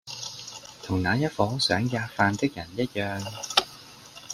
同那一夥想喫人的人一樣。